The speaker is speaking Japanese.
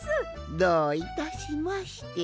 どういたしまして。